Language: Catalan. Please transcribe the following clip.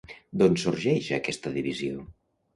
D'on sorgeix aquesta divisió?